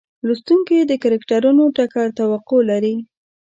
لوستونکي د کرکټرونو ټکر توقع لري.